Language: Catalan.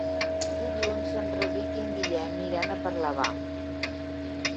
Dilluns en Rauric i en Guillem iran a Parlavà.